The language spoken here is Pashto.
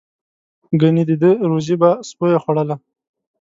گني د ده روزي به سپیو خوړله.